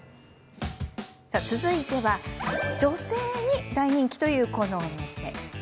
続いては女性に大人気という、このお店。